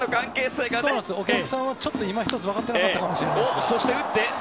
お客さんは、いまひとつ分かっていなかったかもしれない。